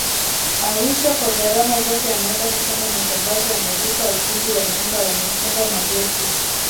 Arusha kwa gharama zake ameenda kufanya matangazo amelipa ukumbi wameenda wamefunga mageti